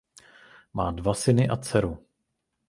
Má dva syny a dceru.